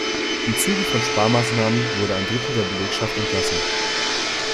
Im Zuge von Sparmaßnahmen wurde ein Drittel der Belegschaft entlassen.